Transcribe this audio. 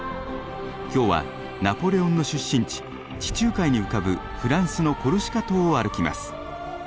今日はナポレオンの出身地地中海に浮かぶフランスのコルシカ島を歩きます。